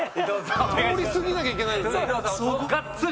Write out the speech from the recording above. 通り過ぎなきゃいけないのに。